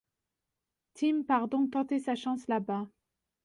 Tim part donc tenter sa chance là-bas.